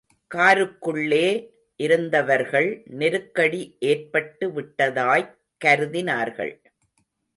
காருக்குள்ளே இருந்தவர்கள் நெருக்கடி ஏற்பட்டு விட்டதாய்க் கருதினார்கள்.